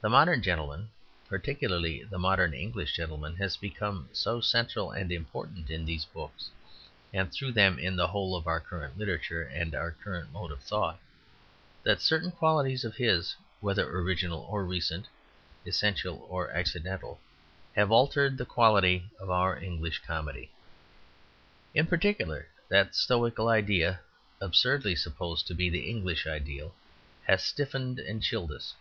The modern gentleman, particularly the modern English gentleman, has become so central and important in these books, and through them in the whole of our current literature and our current mode of thought, that certain qualities of his, whether original or recent, essential or accidental, have altered the quality of our English comedy. In particular, that stoical ideal, absurdly supposed to be the English ideal, has stiffened and chilled us.